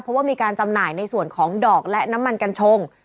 เพราะว่ามีการจำหน่ายในส่วนของดอกและน้ำมันกัญชง